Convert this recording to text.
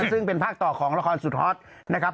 ซึ่งเป็นภาคต่อของละครสุดฮอตนะครับ